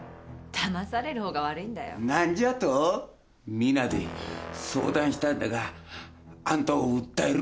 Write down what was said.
皆で相談したんだがあんたを訴える。